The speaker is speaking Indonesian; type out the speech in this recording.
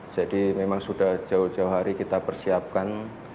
jadi memang sudah jauh jauh hari kita persiapkan